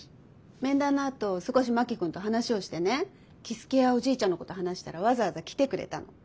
面談のあと少し真木君と話をしてね樹介やおじいちゃんのこと話したらわざわざ来てくれたの。